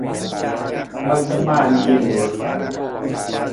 Malada maa na i jel i loor.